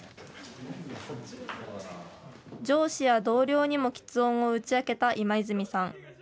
上司や同僚にもきつ音を打ち明けた今泉さん。